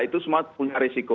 itu semua punya risiko